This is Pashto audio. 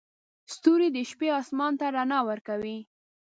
ستوري د شپې اسمان ته رڼا ورکوي.